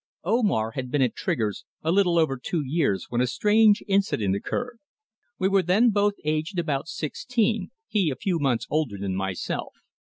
OMAR had been at Trigger's a little over two years when a strange incident occurred. We were then both aged about sixteen, he a few months older than myself.